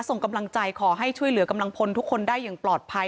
ส่งกำลังใจขอให้ช่วยเหลือกำลังพลทุกคนได้อย่างปลอดภัย